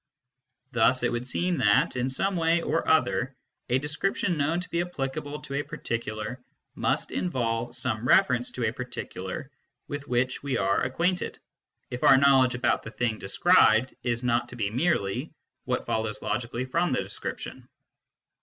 Thus it would seem that, in some way or other, a description known to be applicable to a particular must involve some reference to a particular with which we are acquainted, if our knowledge about the thing described is not to be merely what follows logically from the description.